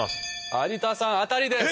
有田さん当たりです！